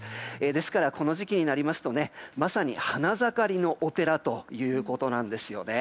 ですから、この時期になりますとまさに花盛りのお寺ということなんですね。